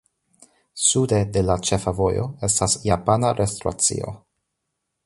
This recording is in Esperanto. Sude de la ĉefa vojo estas japana restoracio.